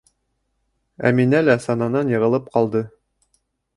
Әминә лә сананан йығылып ҡалды.